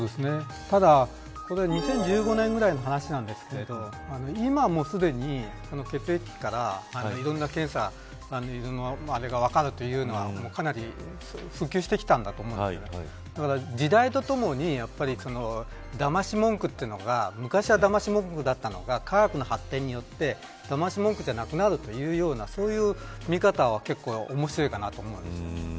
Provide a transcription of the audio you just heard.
ただ、これ２０１５年ぐらいの話なんですけど今もうすでに血液から、いろんな検査分かるというのは、かなり普及してきたんだと思うんですけどだから、時代とともにやっぱりだまし文句というのが昔はだまし文句だったのか科学の発展によってだまし文句じゃなくなるというような見方は結構面白いかなと思います。